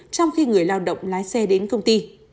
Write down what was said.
trong khi người lao động lái xe đến công ty